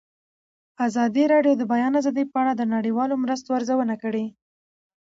ازادي راډیو د د بیان آزادي په اړه د نړیوالو مرستو ارزونه کړې.